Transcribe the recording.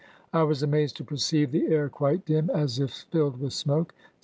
... I was amazed to perceive the air quite dim, as if filled with smoke.